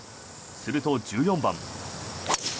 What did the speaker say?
すると、１４番。